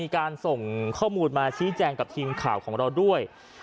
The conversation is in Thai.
มีการส่งข้อมูลมาชี้แจงกับทีมข่าวของเราด้วย